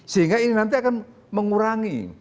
sehingga ini nanti akan mengurangi